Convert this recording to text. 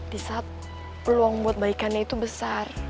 di saat peluang buat baikannya itu besar